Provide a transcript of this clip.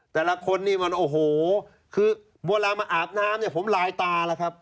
แต่ละคนนี่มันโอ้โหคือเวลามาอาบน้ำเนี่ยผมลายตาแล้วครับ